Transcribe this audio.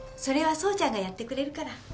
それは奏ちゃんがやってくれるから。